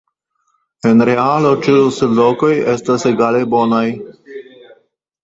En realo ĉiuj sidlokoj estas egale bonaj.